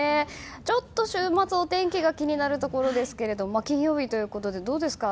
ちょっと週末お天気が気になるところですが金曜日ということでどうですか？